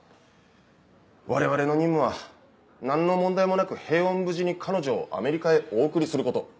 我々の任務は何の問題もなく平穏無事に彼女をアメリカへお送りすること。